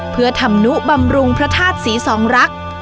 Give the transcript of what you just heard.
เพื่อทำนุบำรุงพระธาตุศรีสองรัก